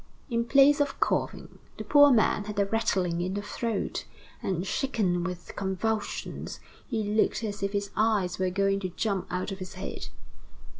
In place of coughing, the poor man had a rattling in the throat, and shaken with convulsions, he looked as if his eyes were going to jump out of his head.